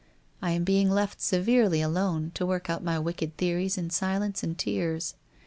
I am being left severely alone to work out my wicked theories in silence and tears.